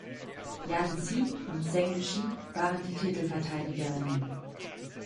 Yan Zi und Zheng Jie waren die Titelverteidigerinnen.